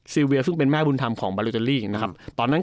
เวียซึ่งเป็นแม่บุญธรรมของบาริเตอรี่นะครับตอนนั้น